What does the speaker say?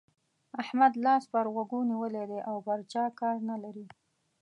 احمد لاس پر غوږو نيولی دی او پر چا کار نه لري.